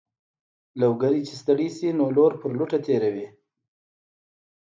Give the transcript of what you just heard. لوګری چې ستړی شي نو لور په لوټه تېروي.